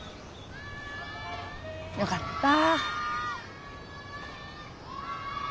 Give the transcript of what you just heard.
よかった。